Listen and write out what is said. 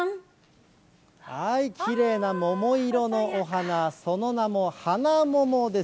きれいな桃色のお花、その名も花桃です。